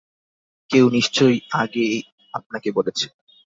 কেউ নিশ্চয় আগেই আপনাকে বলেছে।